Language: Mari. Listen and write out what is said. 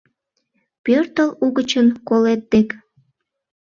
Пӧртыл угычын колет дек